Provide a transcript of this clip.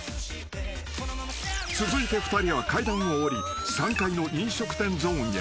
［続いて２人は階段を下り３階の飲食店ゾーンへ］